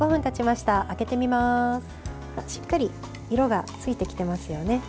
しっかり色がついてきてますよね。